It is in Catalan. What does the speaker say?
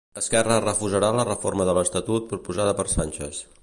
Esquerra refusarà la reforma de l'Estatut proposada per Sánchez.